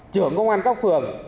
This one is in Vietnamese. trưởng công an các phường